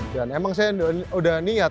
dan emang saya udah niat